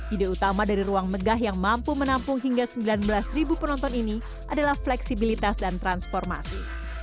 ide utama dari ruang megah yang mampu menampung hingga sembilan belas penonton ini adalah fleksibilitas dan transformasi